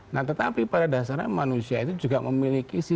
nah tetapi pada dasarnya manusia itu juga memiliki sifat